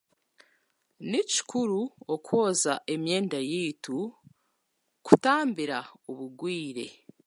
Ni kikura okwoza emyenda yaitu kutambira obugwire